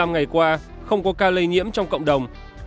bốn mươi năm ngày qua không có ca lây nhiễm trong cộng đồng